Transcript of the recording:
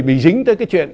bị dính tới cái chuyện